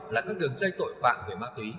là các đường dây tội phạm về ma túy